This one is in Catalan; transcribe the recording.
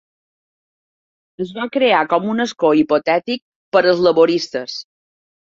Es va crear com un escó hipotètic per als laboristes.